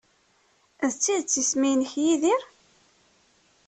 D tidet isem-nnek Yidir?